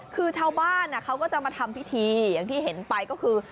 คือชาวบ้านเขาก็จะมาทำพิธีอย่างที่เห็นไปก็คือ